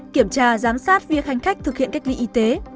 kiểm tra giám sát việc hành khách thực hiện cách ly y tế